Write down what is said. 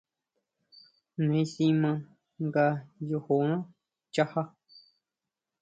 Neé si ma nga yojoná nchajá.